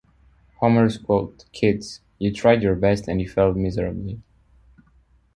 Homer's quote, Kids, you tried your best and you failed miserably.